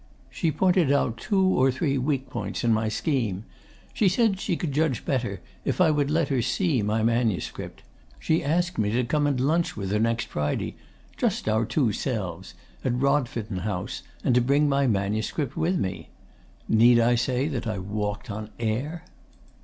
She pointed out two or three weak points in my scheme. She said she could judge better if I would let her see my manuscript. She asked me to come and lunch with her next Friday "just our two selves" at Rodfitten House, and to bring my manuscript with me. Need I say that I walked on air?